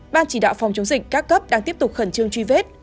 ban chỉ đạo phòng chống dịch các cấp đang tiếp tục khẩn trương truy vết